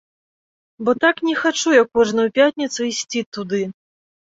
Бо так не хачу я кожную пятніцу ісці туды.